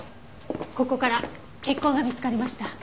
ここから血痕が見つかりました。